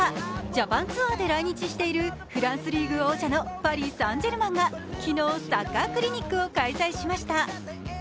ジャパンツアーで来日しているフランスリーグ王者のパリ・サン＝ジェルマンが昨日、サッカークリニックを開催しました。